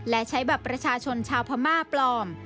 และใช้บัตรประชาชนชาวพม่าปลอม